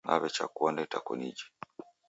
Naw'echa kuonda itakoniji.